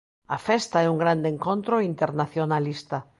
A festa é un grande encontro internacionalista.